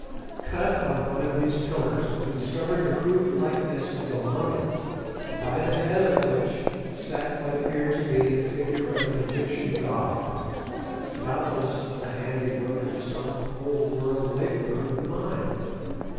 Cut on one of these pillars we discovered the crude likeness of a mummy, by the head of which sat what appeared to be the figure of an Egyptian god, doubtless the handiwork of some old world labourer in the mine.